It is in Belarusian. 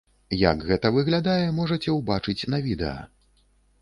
Як гэта выглядае, можаце ўбачыць на відэа.